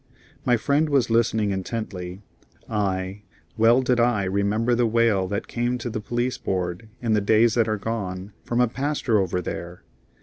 My friend was listening intently. Aye, well did I remember the wail that came to the Police Board, in the days that are gone, from a pastor over there.